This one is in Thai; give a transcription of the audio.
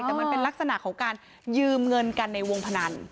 แต่มันเป็นลักษณะของการยืมเงินกันในวงพนัน